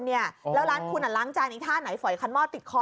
แล้วร้านคุณล้างจานไอ้ท่าไหนฝอยคันหม้อติดคอ